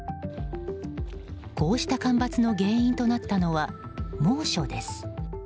こうした干ばつの原因となったのは猛暑です。